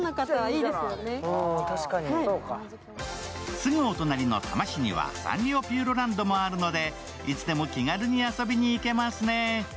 すぐお隣の多摩市にはサンリオピューランドがあるので、いつでも気軽に遊びにいけますね。